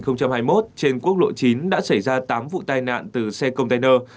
trong năm hai nghìn hai mươi một trên quốc lộ chín đã xảy ra tám vụ tai nạn từ xe công tơ nâu